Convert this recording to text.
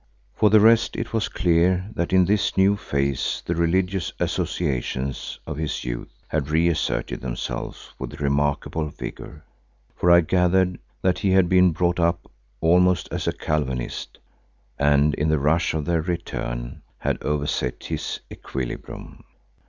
For the rest it was clear that in his new phase the religious associations of his youth had re asserted themselves with remarkable vigour, for I gathered that he had been brought up almost as a Calvinist, and in the rush of their return, had overset his equilibrium.